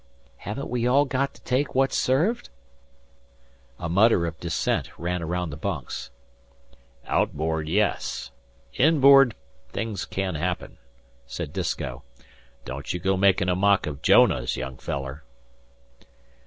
"Haven't we all got to take what's served?" A mutter of dissent ran round the bunks. "Outboard, yes; inboard, things can happen," said Disko. "Don't you go makin' a mock of Jonahs, young feller."